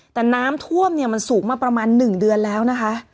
แต่น้ำท่วมเนี่ยมันสูงมาประมาณ๑เดือนแล้วนะคะ